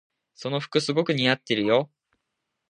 その服すごく似合ってるよ。